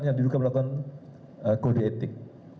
yang diduga melakukan kode etik